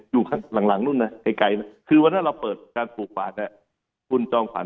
อยู่ทั้งหลังนู้นนะไกลนะคือวันหน้าเราเปิดการปลูกกวานเนี่ยคุณจองผลร้าน